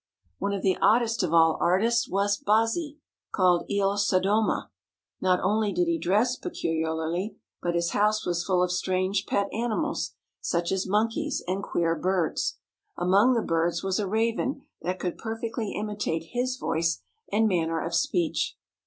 One of the oddest of all artists was Bazzi, called Il Soddoma. Not only did he dress peculiarly, but his house was full of strange pet animals, such as monkeys and queer birds. Among the birds was a raven that could perfectly imitate his voice and manner of speech.